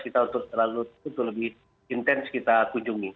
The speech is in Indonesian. jadi itu yang membuat kita lebih intens kita kunjungi